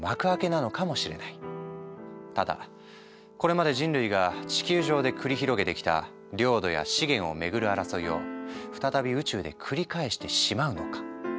ただこれまで人類が地球上で繰り広げてきた領土や資源を巡る争いを再び宇宙で繰り返してしまうのか。